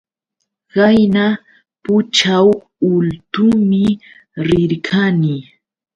Qayna pućhaw ultuumi rirqani.